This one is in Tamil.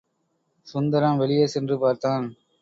சுந்தரம் வெளியே சென்று பார்த்தான்.